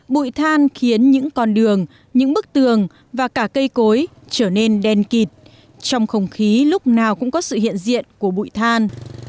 bụi than khiến những con đường những bức tường và cả cây cối trở nên đen kịt trong không khí lúc nào cũng có sự hiện diện của bụi than